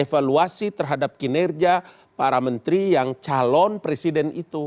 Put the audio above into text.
evaluasi terhadap kinerja para menteri yang calon presiden itu